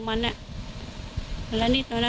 จน๘โมงเช้าวันนี้ตำรวจโทรมาแจ้งว่าพบเป็นศพเสียชีวิตแล้ว